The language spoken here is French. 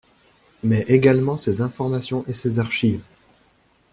mais également ses informations et ses archives